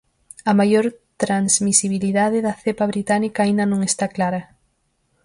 A maior transmisibilidade da cepa británica aínda non está clara.